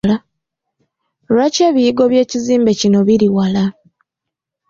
Lwaki ebiyigo by'ekizimbe kino biri wala?